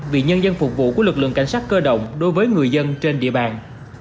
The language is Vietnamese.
vì nhân dân phục vụ của lực lượng cảnh sát cơ động đối với người dân trên địa bàn